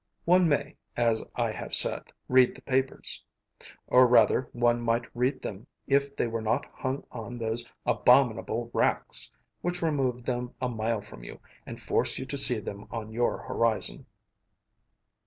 One may, as I have said, read the papers; or rather one might read them if they were not hung on those abominable racks, which remove them a mile from you and force you to see them on your horizon.